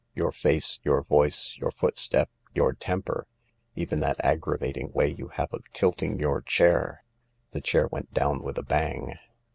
Your face, your voice, your foot step, your temper — even that aggravating way you have of tilting your chair. ../' The chair went down with a bang.